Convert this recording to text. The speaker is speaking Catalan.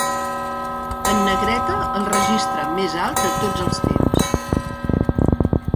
En negreta el registre més alt de tots els temps.